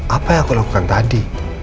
apa yang aku lakukan tadi